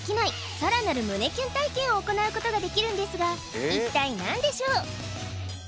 さらなる胸キュン体験を行うことができるんですが一体何でしょう？